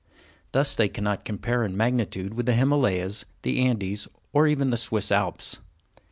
Thus they cannot compare in magnitude with the Himalayas, the Andes, or even the Swiss Alps.